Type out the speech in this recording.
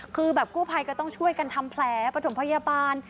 คือแบบกู้ภัยก็ต้องช่วยกันทำแผลประถมพยาบาล